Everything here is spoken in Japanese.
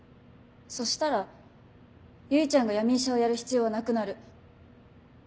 そしたら唯ちゃんが闇医者をやる必要はなくなる。